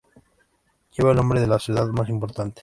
Lleva el nombre de su ciudad más importante.